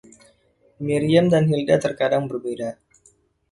Miriam dan Hilda terkadang berbeda.